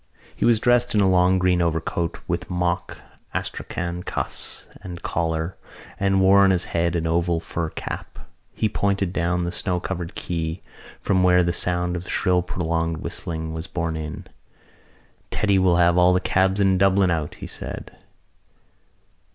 He was dressed in a long green overcoat with mock astrakhan cuffs and collar and wore on his head an oval fur cap. He pointed down the snow covered quay from where the sound of shrill prolonged whistling was borne in. "Teddy will have all the cabs in Dublin out," he said.